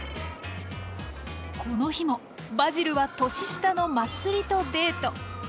この日もバジルは年下のまつりとデート。